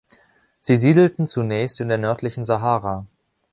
Sie siedelten zunächst in der nördlichen Sahara.